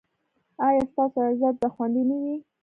ایا ستاسو عزت به خوندي نه وي؟